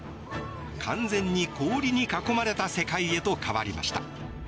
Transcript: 完全に氷に囲まれた世界へと変わりました。